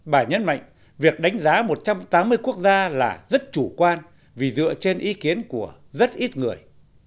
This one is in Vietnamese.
bà nhấn mạnh việc đánh giá một trăm tám mươi quốc gia là rất chủ quan vì dựa trên ý kiến của rất ít người